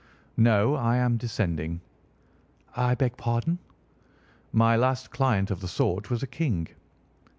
"No, I am descending." "I beg pardon." "My last client of the sort was a king."